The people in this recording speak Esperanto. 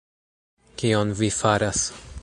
Kion vi faras?